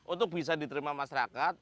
untuk bisa diterima masyarakat